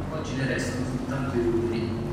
Oggi ne restano soltanto i ruderi.